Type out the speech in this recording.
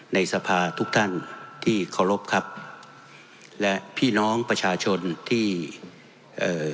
ในสภาทุกท่านที่เคารพครับและพี่น้องประชาชนที่เอ่อ